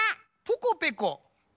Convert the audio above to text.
ポコペコ。